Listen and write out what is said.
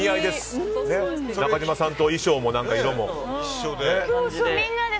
中島さんと衣装と色も一緒で。